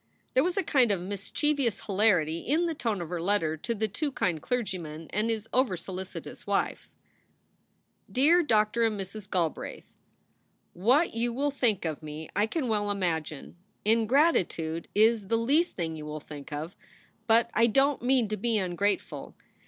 There was a kind of mischievous hilarity in the tone of her letter to the too kind clergyman and his oversolicitous wife: DEAR DR. AND MRS. GALBRAITH, What you will think of me I can well imagine. Ingrattitude is the least thing you will think of. But I dont mean to be ungrateful.